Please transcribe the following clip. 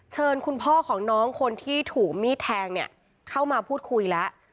เชิญคุณพ่อของน้องคนที่ถูกมีดแทงเนี่ยเข้ามาพูดคุยแล้ว